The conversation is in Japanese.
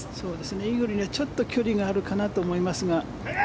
イーグルにはちょっと距離があるかなと思いますが。